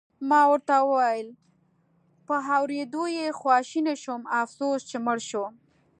ما ورته وویل: په اورېدو یې خواشینی شوم، افسوس چې مړ شو.